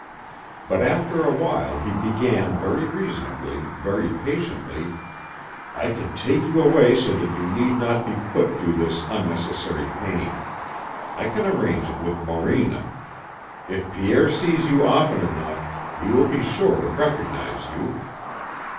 But after a while he began very reasonably, very patiently: "I can take you away so that you need not be put through this unnecessary pain. I can arrange it with Morena. If Pierre sees you often enough, he will be sure to recognize you.